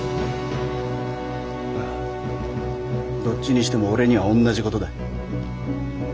どっちにしても俺にはおんなじ事だ。